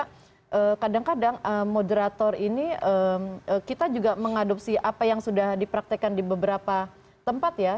jadi kadang kadang moderator ini kita juga mengadopsi apa yang sudah dipraktekkan di beberapa tempat ya